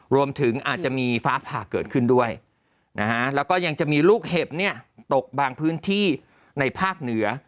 รวมถึงอาจจะมีฟ้าผ่าเกิดขึ้นด้วยนะฮะแล้วก็ยังจะมีลูกเห็บตกบางพื้นที่ในภาคเหนือ